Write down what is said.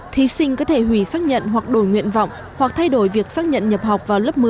thí sinh có thể hủy xác nhận hoặc đổi nguyện vọng hoặc thay đổi việc xác nhận nhập học vào lớp một mươi